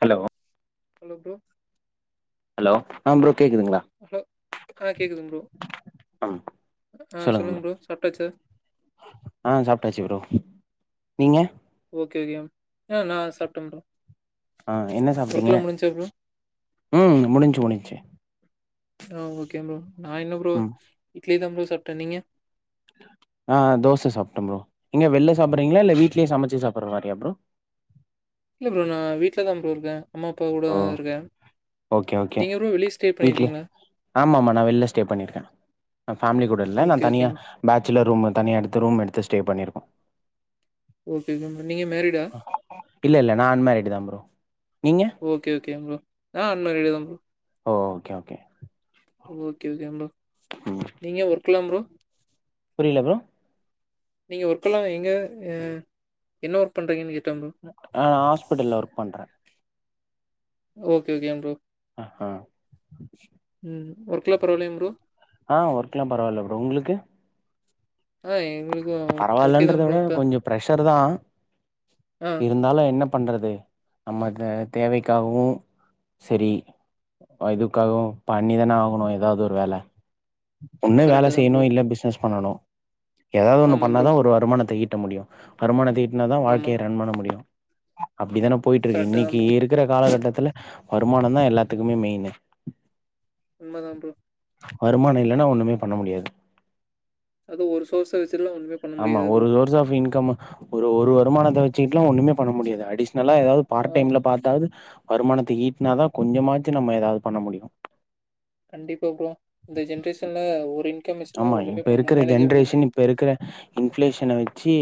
Hello hello bro hello ஆ bro கேக்குதுங்களா hello ஆ கேட்குதுங்க ப்ரோ அம் ஆ சொல்லுங்க ஃப்ரோ ப்ரோ சாப்பிட்டாச்சா ஆஹ் சாப்ட்டாச்சு ப்ரோ நீங்க ஓகே வியம் ஆஹ் நா சாப்ட்டே ப்ரோ ஆஹ் என்ன சாப்ட்டீங்க ஒர்க்லாம் முடிஞ்சா ப்ரோ உம் முடிஞ்ச்சு முடிஞ்ச்சு ஆஹ் ஓகே ப்ரோ நா என்ன ப்ரோ ம் இட்லி தா ப்ரோ சா சாப்ட நீங்க நா தோச சாப்ட்டே ப்ரோ நீங்க வெள்ல சாப்ட்றீங்ளா இல்ல வீட்லயே சமச்சு சாப்ட்ற மாறியா ப்ரோ இல்லை ப்ரோ நா வீட்லதா ப்ரோ இருக்கே அம்மாப்பா ஓ கூடதா இருக்கே ஓகே நீங்க ப்ரோ வெளிய ஸ்டே பண்ணிருக்கீங்ளா ஆமாம்மா நா வெள்ல ஸ்டே பண்ணிருக்கே நா ஃபேம்லி கூட இல்ல நா ஓகே ஓகே தனியா பேச் சுலர் ரூம்மு தனியா எடுத்து ரூம் எடுத்து ஸ்டே பண்ணிருக்கோ ஓகே ஓகே ப்ரோ நீங்க மேரிடா இல்ல இல்ல நா அன்மேரிடு தா ப்ரோ நீங்க ஓகே ஓகே ப்ரோ நா அண்மேரிட்தா ஓ ஓகே ஓகே ஓகே ஓகேங் ப்ரோ நீங்க ஒர்க்லாம் ப்ரோ புரிய்ல ப்ரோ நீங்க ஒர்க்கலா எங்க அ என்ன ஒர்க் பண்றீங்கன் கேட் ஆஹ் ஹாஸ்பிட்டல்ல ஒர்க் பண்றே ஓகே ஓகேங் ப்ரோ அ ஹா ஒர்க்லா பரவால்லயாங் ப்ரோ ஆஹ் ஒர்க்லா பரவால்ல ப்ரோ உங்ளுக்கு ஆஹ் எங்ளுக் பரவால்லன்றத விட கொஞ்ச ப்ரெஷர் டு தா ஆ இருந்தாலு என்னப் பண்றது நம்ம த தேவைக்காகவு செரி அ இதுக்காகவு பண்ணிதானே ஆகணு எதாவ்து ஒரு வேல ஒன்னு வேல கரெக்ட்டு தான் செய்யணு ப்ரோ இல்ல பிஸ்னஸ் பண்ணனு ஏதாவ்து ஒன்னு ஆமா ப்ரோ பண்ணாதா ஒரு வருமானத்துக்கி ட்ட முடியு பருமானத்தே இன்னதா ஆமா வாழ்க்கிய ரன் பண்ண முடியு அப்டிதான போயிட்டுருக்கு கரெக்ட்டு தான் இன்னிக்கி ப்ரோ இருக்குற ம் காலகட்டத்துல வருமானந்தா எல்லாத்துக்குமே மெயினு உண்மதா ப்ரோ வருமான இல் லனா ஒன்னுமே பண்ண முடியாது அது ஒரு சோசைஸ் ஆமா ஒரு யோர்ஸ் ஆஃப் இன்க்கம்ம ஒரு ஒரு வருமானத்த வச்சிக்கிட்லா ஒன்னுமே பண்ண முடியாது அடிஷ் னலா எதாது ஆ பார்ட் டைம்ல பாத்தாவுது வருமானத்த ஈட்னாதா கொஞ்சமாச்சு நம்ம எதாது பண்ண முடியு கண்டிப்பா ப்ரோ இந்த ஜென்ரேஷன்ல ஒரு இன் ஆமா இப்ப இருக்குற ஜென்ரேஷன் இப்ப இருக்குற இன்ஃப்ளேஷன வெச்சி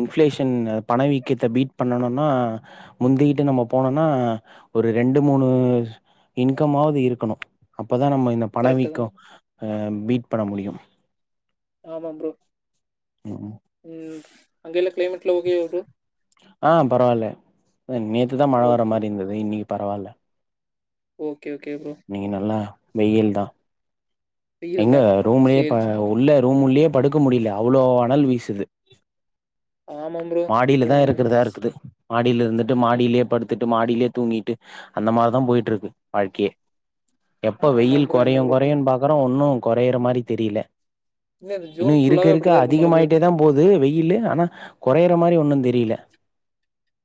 இன்ஃப்ளேஷன் பணவீக்கத்த பீட் பண்ணனுன்னா முந்திகிட்டு நம்ம போனன்னா ஒரு ரெண்டு மூணு இன்க்கம்மாவுது இருக்குணு அப் பதா நம்ம இந்த கரெக்ட்டு பணவீக்கோ தான் அ பீட் பண முடியு ஆமா ப்ரோ ம். ம் அங்கெல்ல ஆ பரவால்ல அ நேத்துதா மழ வர ஓகே மாரிந்துது இன்னிகி பரவால்ல ஒ இன்னிக்கி நல்லா வெய்யில் தா வெயில் எங்க தான் ரூம்லே ப சேரி சே உள்ள ரூம் உள்யே படுக்க முடில அவ்ளோ அனல் வீசுது ஆமா ப்ரோ இப்ப மாடிலதா இருக்குருதா இருக்குது மாடில் இருந்துட்டு மாடில்யே படுத்துட்டு மா லில்லே தூங்கிட்டு அந்த மார்தா போயிட்ருக்கு வாழ்க்கியே எப்ப ஆமா வெய்யில் ப்ரோ என்ன கொறையு ப்ரோ பண்ண கொறையுன் பாக்குற ஒன்னு கொறையற மாரி தெரியில இல்ல இந்த இனி ஜூன் இருக்க ஃபுல்லாவே இருக்க அப்டிதான் இருக்கும் போல ப்ரோ அதிகமாயிட்டே தா போது வெய் இல்லேன் அனா கொறையற மாரி ஒ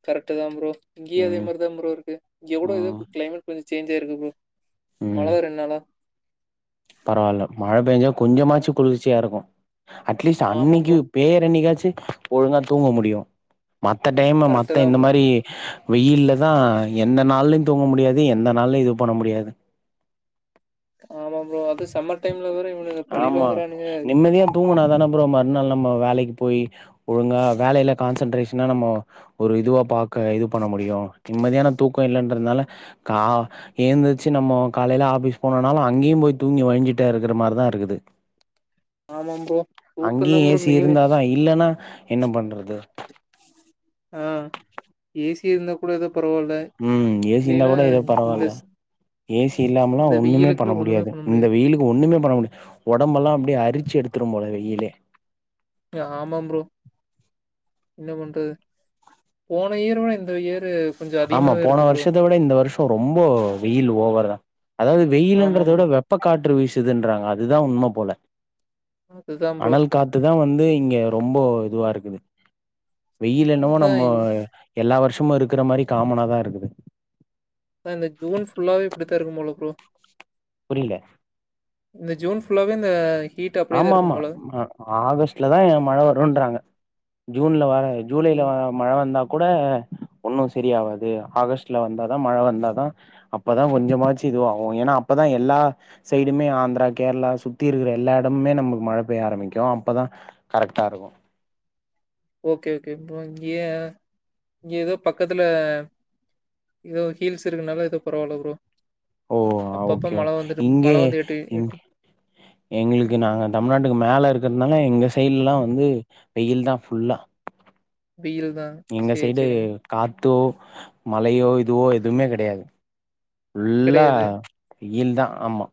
கரெட்டுதாம் ப்ரோ இங்கேயு அதே ம் மாருதா ப்ரோ இருக்கு இங்க கூட எதோ ம் க்ளைமேட் கொஞ்ச சேஞ்சா இருக்கு ப்ரோ மழ ம் வர்ரன்னாளா பரவால்ல மழ பேஞ்சா ஆ கொஞ்சமாச்சு குளிர்ச்சியாருக்கூ அட்லீஸ்ட் ஆமா ப்ரோ அன்னைக்கு பேய்ரன்னைக்காச்சு ஒழுங்கா தூங்க முடியு மத்த டைம் கரெக்ட்டு மத்த தா இந்த ப்ரோ மாதிரி வெயில்ல தான் எந்த நாள்லயும் தூங்க முடியாது எந்த நாள்லயும் இது பண்ண முடியாது ஆமா ப்ரோ அது சம்மர் டைம்ல வேற இவனுங்க பழி ஆமா வாங்குறானுங்க நிம்மதியா தூங்குணாதான ப்ரோ மறுநாள் நம்ம வேலைக்கு போய் ஒழுங்க வேலையில கான்சென்ட்ரேஷனா நம்ம ஒரு இதுவா பாக் க இது பண்ண முடியும் நிம்மதியான தூக்கம் இல்லைன்றதுனால கா ஏழுந்தச்சு நம்ம காலையில ஆபிஸ் போனனாலும் அங்கேயும் போயி துங் தூங்கி வழிஞ்சுிட்டே இருக்கிற மாதிரி தான் இருக்குது ஆமா ப்ரோ தூக்கந்தா அங்கேயும் ப்ரோ ஏசி மெயினு இருந்தாதான் இல்லைன்னா என்ன பண்றது ஆஹ் ஏசி இருந்த கூட ஏதோ உம் ஏசி இருந்தா கூட ஏதோ இந்த பரவாயில்ல ஸ்- ஏசி இந்த இல்லாமலாம் ஒண்ணுமே வெயிலுக்குள்ள பண்ண ஒண்ணுமே முடியாது இந்த வெயிலுக்கு ஒண்ணுமே பண்ண முடியா உடம்பெல்லாம் அப்படியே அரிச்சு எடுத்துரும் போல வெயிலே ஆமாம்ப்ரோ என்ன பண்றது போன இயர்விட இந்த இயர் ஆமா போன வருஷத்தை விட இந்த வருஷம் ரொம்ப வெயில் ஓவர் தான் அதாவது ஆமா வெயில்ன்றதோட ப்ரோ வெப்ப காற்று வீசுத துன்றாங்க அதுதான் உண்மை போல அதுதா ப்ரோ அனல் காத்துதான் வந்து இங்க ரொம்ப அதுவா இருக்குது வெயில் என்னமோ அதா நம்ம எல்லா வருஷம் சும்மா இருக்கிற மாதிரி காமன தான் இருக்குது இந்த ஜூன் ஃபுல்லாவே இப்டித் இருக்கும் போல ப்ரோ புரியில இந்த ஜூன் ஃபுல்லாவே இந்த ஹீட் அப்டியேதா ஆமா இருக்கும் ஆமா போல ஆகஸ்ட்லதான் ஆ மழை வரும்ன்றாங்க ஜூன்லவார ஜூலையில ம் மழை வந்தா கூட ஒன்னும் சரியவாது ஆகஸ்ட்ல வந்தாதான் மழை வந்தாதான் அப்பதான் கொஞ்சமாச்சும் இது ஆகும் ஏன்னா அப்பதான் எல்லா சைடுமே ஆந்திரா கேரளா சுத்தி இருக்கிற எல்லா இட டமே நமக்கு மழை பெய்ய ஆரம்பிக்கும் அப்பதான் கரெக்ட்டா இருக்கும் ஓகே ஓகே ப்ரோ இங்க இங்க ஏதோ பக்கத்துல ஏதோ ஹீல்ஸ் இருக்குனால ஏதோ பரவாயில்ல ப்ரோ ஓ அப்பப்ப ஓகே மழ வந்துட்டு மழ இங்கே வந்து எட்டு எட்டு எங்களுக்கு நாங்க தமிழ்நாட்டுக்கு மேல இருக் இருகுறதுனால எங்க சைடு ல்லா வந்து வெயில் தா ஃபுல்லா வெயில் தா எங்க சேரி சைடு சேரிங்க காட் த்தோ மழயோ இதுவோ எதுமே கெடயாது புல்லா கெடையாது வெயில் தா ஆமா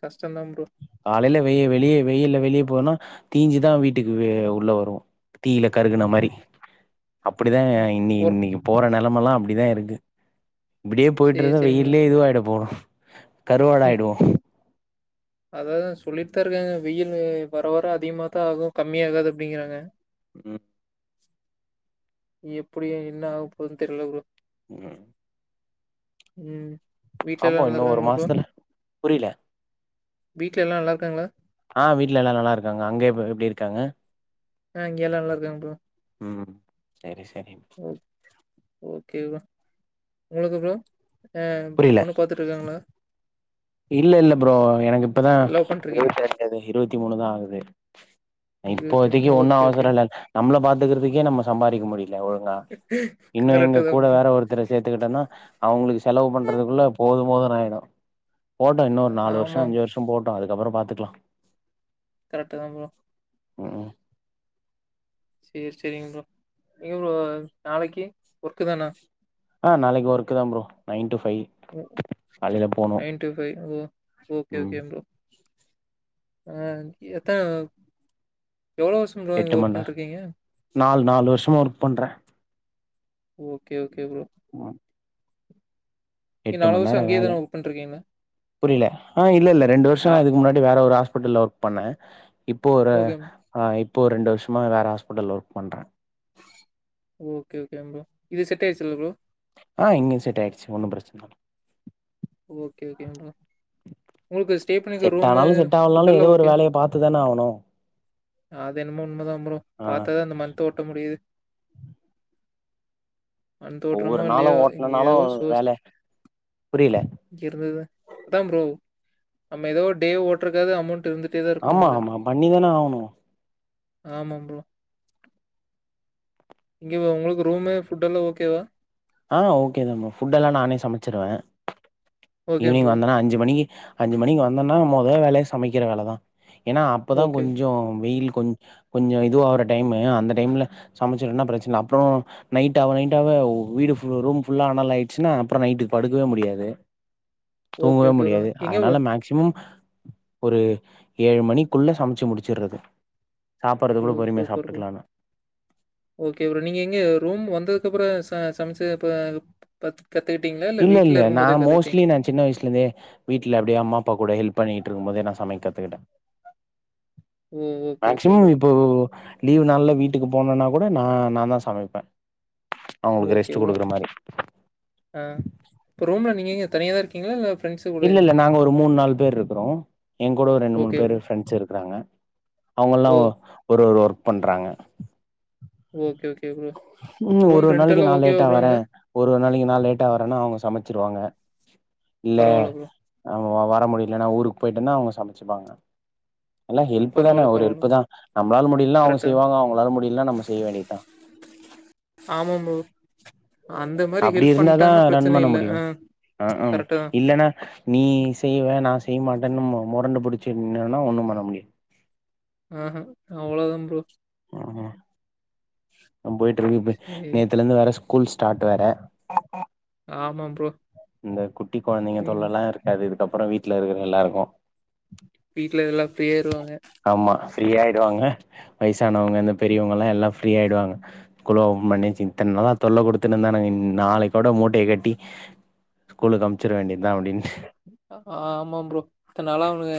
கஷ் தா ப்ரோ காலையில வெய வெளியே வெயில வெளியே போனா தீஞ்சுதா வீட்டுக்கு உள்ள வருவோம் தீயில கருகுன மாரி அப்டிதா இ ஒர்க் இன்னிக்கு போற நா நிலமெல்லாம் அப்டிதா இருக்கு இப்டியே போய்ட்டு சேரி இருந்தா சேரிங்க வெய்லயே இதுவாய்கிடு போல கருவாடாய்டுவோ அதாதா சொல்லிட்டு தா இருக்காங்க வெயில் வர வர அதிகமாதா ஆகும் கம்மியா ஆகாது அப்டிங்குறாங்க ம் எப்டி என்ன ஆக போகுதுன்னு தெரில ப்ரோ ம் ம் வீட்ல எல்லா பாப்போ நல்லா இன்னு ஒரு இருக்காங்களா ப்ரோ மாசத்துல புரில வீட்ல யெல்லா நல்லா இருக்காங்களா ஆ வீட்ல எல்லாம் நல்லா இருக்காங்க அங்க எப்டி இருக்காங்க ஆ இங்க எல்லா நல்லா இருக்காங்க ப்ரோ ம் செரி செரி ஓகே ஓகே உங்களுக்கு ப்ரோ ஆ புரில பொண்ணு பாத்துட்டு இருக்காங்களா இல்ல இல்ல ப்ரோ எனக்கு இப்பதா லவ் பண்ட்ருக்கீங் இருபத்தி ரெண்டு இருபத்தி மூணுதா ஆகுது இருவத்தி மூ இப்போதைக்கு ஒன்னு ஓகே ஓகே அவசர இல்ல நம்மள பாத்துகறதுக்கே நமக்கு சம்பாறிக்க முடில ஒழுங்கா இன்னு எங்க கரெக்ட்டு தா கூட ப்ரோ வேற ஒருத்தர சேத்துகிட்டன்னா அவங்களுக்கு செலவு பண்றதுக்குள்ள போதும் போதுனு ஆயிடும் போட்டும் இன்னொரு நாலு வருஷ ஆமா அஞ்சு வருஷ போட்டும் அதுக்கப்பற பாத்துக்லா கரட்டு தா ப்ரோ ம் சேர் சேரிங் ப்ரோ எங்கி ப்ரோ நாளக்கி ஒர்க்கு தானா ஆ நாளக்கி ஒர்க்கு தா ப்ரோ நைன் டு ஃபைவ் காலையில போனு நைன் டு ஃபை ஓ ஓகே ம் ஓகே ப்ரோ அ எத்தன ஒ எட்டு மண் நே நால் நாலு வர்ஷுமா ஒர்க் பண்ற ஓகேவ் கே ப்ரோ நீங்கள் எட்டு நாலு வருஷம் மண்நேர அங்கேயே வேல, தானே ஒர்க் பண்ணிருக்கீங்களா புரியல ஆ இல்ல குல்ல ரெண்டு வருசோ நா நான் இதுக்கு முன்னாடி வேற ஒரு ஹாஸ்பிட்டல்ல ஒர்க் பண்ண இப்போ ஒரு ஓகே ஆ இப் இப்போ ஒரு ரெண்டு வருஷமா வேற ஹாஸ்பிட்டல்ல ஒர்க் பண்ற ஓகே ஓகேங் ப்ரோ இது செட் ஆய்டுச்சுல்ல ப்ரோ ஆ இங்கயு செட் ஆயிடுச்சு ஒன்னு பிரச்சன இல்ல ஓகே ஓகேங் ப்ரோ உங்ளுக்கு ஸ்டே பண்ணிருக்க செட் ரூமூ ஆனாலு செட் ஆவலனாலு ஃபுட்டெல்லா ஏதோ ஒரு ஓகேவா வேலைய பாத்துதான ஆவணு அது என்னமோ உண்மதா ப்ரோ ஆ பாத்தாதா அந்த மந்த் ஓட்ட முடியுது மந்த் ஒவ்வொரு ஓட்டுறமோ நாளு இல்லையோ ஓட்டுனுனாளு வேல புரிய இங்க இருந்தது அதா ப்ரோ நம்ம ஏதோ டே ஓட்டுறதுக்காது அமோண்ட் ஆமா ஆமா பண்ணிதான ஆவுனு ஆமா ப்ரோ இங்க உங்ளுக்கு ரூமு, ஃபுட் எல்லா ஓகேவா ஆ ஓகே தா ப்ரோ ஃபுட் எல்லா நானே சமச்சிருவ ஓகே ஈவ்னிங் ப்ரோ. வந்தனா அஞ்சு மணிக்கு அஞ்சு மணிக்கு வந்தன்னா மொத வேலயா சமைக்கிற வேலதா ஏன்னா அப்பதா ஓகே. கொஞ்சோ வெயில் கொஞ் கொஞ்சோ இதுவாவுற டைமு அந்த டைம்ல சமச்சிட்டோம்னா பிரச்சனல்ல அப்றோ நைட்டாவ நைட்டாவ வீடு ஃபுல் ரூம் ஃபுல்லா அனல் ஆயிச்சுனா அப்பறோ நைட்டுக்கு படுக்கவே முடியாது ஓகே, தூங்கவே ஓகே ப்ரோ. முடியாது எங்க ப்ரோ? அதனால மேக்ஸிமம் ஒரு ஏழு மணிக்குள்ள சமச்சு முடிச்சிட்றது ஓ சூப்பர் ப்ரோ, ஓகே ப்ரோ நீங்க எங்க ரூம் வந்ததுக்கு அப்றோ இப்ப சமச்சு இப்ப கத் இல்ல இல்ல நா மோஸ்ட்லி நா சின்ன வயசுலேந்தே வீட்ல அப்டியே அம்மா அப்பா கூட ஹெல்ப் பண்ணிகிட்ருக்கும்போதே நா சமைக்க கத்துகிட்ட ஓ! Okay, okay bro. மேக்ஸிமம் இப்போ லீவு நாள்ல வீட்டுக்கு போனன்னா கூட நா நாந்தா சமைப்ப அவங்களுக்கு ஓகே ரெஸ்ட் ப்ரோ. குடுக்குற மாரி ஆ. இப்ப ரூம் நீங்க இங்க தனியாதா இருக்கீங்ளா இல்ல ஃப்ரெண்ட்ஸு கூட இல்லல்ல நாங்க ஒரு மூணு நாலு பேர் இருக்குறோ எங்கூட ஒரு ரெண்டு மூணு ஓகே பேர் ப்ரோ. ஃப்ரெண்ட்ஸ் இருக்றாங்க அவங்கல்லா ஓ! ஒரு ஒரு பண்றாங்க ஓகே ஓகே ப்ரோ. உம் ரூம் ஒரு ரெண்ட் நாளைக்கு எல்லாம் நான் ஓகேவா லேட்டா ப்ரோ அங்க? வரேன் ஒரு நாளைக்கு நான் லேட்டா வரேன்னா அவுங்க சமச்சிருவாங்க [inaudible] இல்ல பரவால்ல ப்ரோ. ஆ வ வர முடிலன்னா ஊருக்கு போய்ட்டேன்னா அவுங்க சமச்சுப்பாங்க எல்லா ஹெல்ப் தான பரவால்ல, ஒரு பரவால்ல ஹெல்ப் ப்ரோ. தான் நம்மளால முடியலைலானா அவுங்க கரெக்ட்டு செய்வாங்க அவுங்களால முடியலன்னா நம்ம செய்ய வேண்டியதுதான் ஆமாம் ப்ரோ ஆ அந்த மாரி அப்படி ஹெல்ப் இருந்தாதா பண்ட்டாங்கன்னா ரன் பிரச்சனை பண்ண இல்ல. முடியோ ஆஹ் ஹம் கரெக்ட்டு தான். இல்ன்னா நீ செய்வே நா செய்யமாட்டேன்னு மொ மொரண்டு புடுச்சுட்டு நின்னேனா ஒண்ணும் பண்ண முடியாது ஆஹ்ஹ ஆ அவ்ளோதா ப்ரோ உம் போயிட்டு இருக்கு சரி. நேத்துல இருந்து ஸ்கூல் ஸ்டார்ட் வேற ஆமா ப்ரோ இந்த குட்டி குழந்தைங்க ம் தொல்லலாம் இருக்காது அப்புறோ வீட்ல இருக்குற எல்லாருக்கோ வீட்ல இதல்லா ஃப்ரீயாய்ருவாங்க ஃப்ரீயாய்டுவாங்க வயசானவங்க இந்த பெரியவங்கலா எல்லா ஃப்ரீய ஆய்டுவாங்க ஸ்கூலு ஓப்பன் பண்ணியாச்சு இத்தன் நாளா தொல்ல குடுத்துனுர்தானுங்க நாளைக்கோட மூட்டய கட்டி ஸ்கூலுக்கு அம்ச்சிட வேண்டியதுதா அப்டின்னு ஆ ஆமா ப்ரோ இத்தன்னாள அவே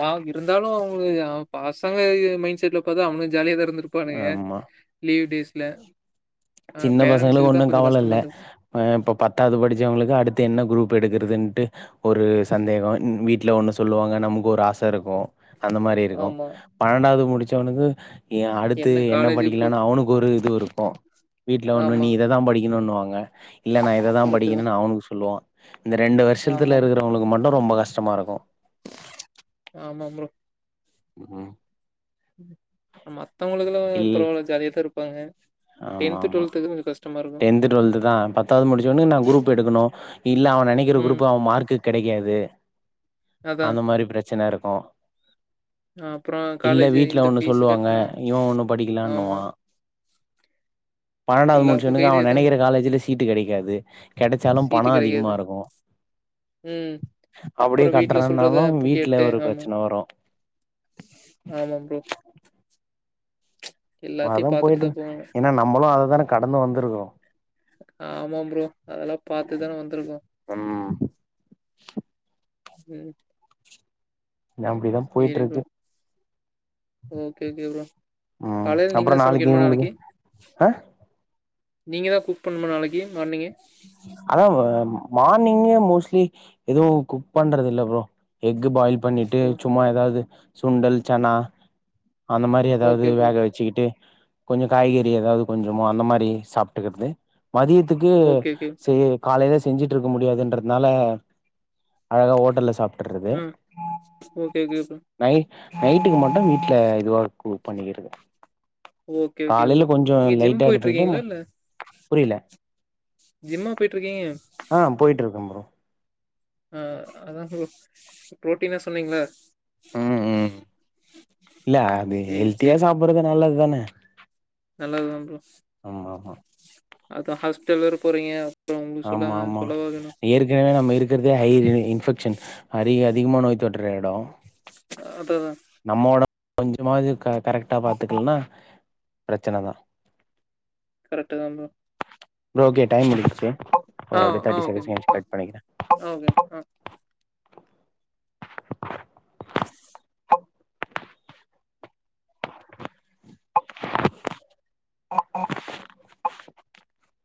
பா இருந் இருந்தாலு அவுங்க எ பசங்க மைண்ட் எ செட்ல பாத்தா அவுங்களுக்கு தா ஜாலியா தானஇருந்திருப்பானுங்க ஆமா லீவ் டேஸ் இல்ல சின்ன பசங்களுக்கு ஒன்னும் கவல இல்ல இருந்தது இப்ப பத்தாவது படிச்சவங்களுக்கு அடுத்து என்ன குரூப் எடுக்கறது இதுன்ட்டு ஒரு சந்தேகம் வீட்ல ஒண்ணு சொல்லுவாங்க நமக்கு ஒரு ஆச இருக்கும் அந்த மாதிரி இருக்கோ ஆமா பன்னெண்டாவது முடிச்சு [unintelligible] ஏ அடுத்து என்ன காலேஜுக்கு போ படிக்கலானு அவனுக்கு ஒரு இது இருக்கும் வீட்ல ஒன்னு ஆமா நீ இத தா படி இன்னொன்னுவாங்க இல்ல நான் இததான் கரெக்ட்டு தா படிக்கணும்னு அவனுக்கு சொல்லுவா இந்த ரெண்டு வருஷத்துல ஆமா இருக்குறவுங்களுக்கு மட்டோ ரொம்ப கஷ்ட் கஷ்டமா இருக்கோ ஆமா ப்ரோ உம் உம் ம் ஆமா அவுங்குளுக்குலா பரவால ஜாலியாதா இருப் ப்பாங்க ஆமா ஆமா டென்த்து டுவெல்த்துதா பத்தாவது முடிச்சோனயே நா குரூப் எடுக்கணு இல்ல அவ நெனைக்கிற ம் குரூப்பு அவ மார்க்குக்கு கெடைக்காது அதா அந்த மாரி பிரச்சன இருக் கு அப்றோ காலேஜு இந்த ஃபீஸு சொல்லுவாங்க கட்ணு இவன் ஒண்ணு அ படிக்கலான்னுவா ஹ பன்னெண்டாவது முடிச்சவனுக்கு அவ இதேதா நெனைக்கிற காலேஜ்ல சீட்டு கெடைக்காது கெடைச்சாலு பணோ சீட்டு அதிகமா கெடைக்காது இருக்கு ம் அப்டியே அப்புறம் வீட்ல சொல்றத கட்றனாலும் அப்ப வீட்ல கேட்டு ஒரு ஆமா. பிரச்சன வரு ஆமா ப்ரோ. அதா எல்லாத்தையும் பாத்துட்டு போயிட்ரு தான் போவேன். ஏனா நம்மளு அத தான கடந்து வந்துருக்றோ ஆமா ப்ரோ அதெல்லா பாத்துதா வந்துருக்கோ ம் செர் நம்பிதா போயிட்ருக்கு ஒகே ஓகே ப்ரோ ம் காலைல அப்றோ நீங்கதா சமைக்கணுமா உங்களுக்கு நாளைக்கு ஆ நீங்கதா குக் பண்ணணுமா நாளைக்கு மார்னிங்கு மார்னிங்கு மோஸ்ட்லி எது குக் பண்றதில்ல ப்ரோ எக் பாயில் பண்ணிட்டு ஓ சும்மா எதாவுது சுண்டல் சனா அந்த மாரி எதாவுது ஓகே ப்ரோ. வேக வெச்சிகிட்டு கொஞ்ச காய்கறி எதாவுது கொஞ்சமா அந்த மாரி சாப்ட்டுக்குறது மதியத்துக்கு ஓகே, ஓகே. சே காலைல செஞ்சுட்டருக்க முடியாதுன்றதனால அழகா ஹோட்டல்ல சாப் ம் ஓகே கே ப்ரோ நை நைட்டுக்கு மட்டு வீட்ல இதுவா குக் பண்ணிக்கறது ஓகே, ஓகே காலைல ப்ரோ. கொஞ்ச நீங்க ஜிம் லைட்டா எடுத்துகிட்டு போயிட்டுருக்கீங்களா? ம இல்ல புரியில ஜிம்மா போயிட்டுருக்கீங்க? ஆ போயிட்ருக்க ப்ரோ ஆஹ் [unintelligible] புரோட்டீனா சொன்னீங்களா ம் ம் இல்ல அது சரி, சரி. ஹெல்த்தியா சாப்டுறது நல்லது தான [inaudible] நல்லது தா ப்ரோ அதா ஹாஸ்பிட்டல் வேற போறிங்க ஆமா ஆமா ஏற்கனவே நம்ம இருக்கறதே ஹை இன்ஃபெக்ஷன் அறி அதிகமான நோய் தொற் றோ எடம் அதுதான் கொஞ்சமாவது க கரெக்டா பாத்துக்கலன்னா பிரச்சனதான் கரெக்ட் தா ப்ரோ ஓகே டைம் முடுஞ்சு ஆ, ஒரு அப்டியே ஆ. Thirty okay seconds ma'am. முடுச்சு ஆ, கனெக்ட் பண்ணிக்கிறேன் ஆ ஓகே. மேம். ஆ. [inaudible] [inaudible]